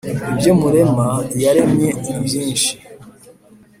ibyo murema yaremye nibyinshi